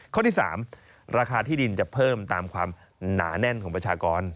ข้อที่๓ราคาที่ดินจะเพิ่มตามความหนาแน่นของประชากร